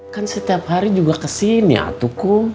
kan setiap hari juga kesini atuku